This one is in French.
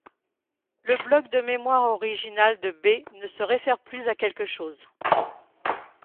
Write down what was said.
Le bloc de mémoire original de B ne se réfère plus à quelque chose.